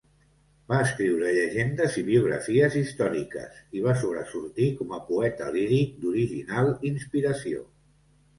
Va escriure llegendes i biografies històriques, i va sobresortir com a poeta líric d'original inspiració.